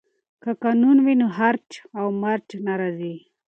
که قانون وي نو هرج و مرج نه راځي.